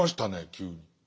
急に。